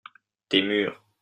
tes murs.